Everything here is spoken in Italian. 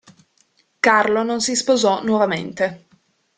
Carlo non si sposò nuovamente.